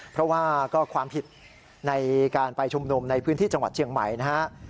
เพราะว่าก็ความผิดในการไปชุมนุมในพื้นที่จังหวัดเชียงใหม่นะฮะ